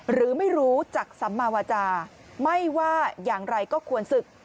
หรือไม่รู้จักสัมมาวาจาไม่ว่าอย่างไรก็ควรศึก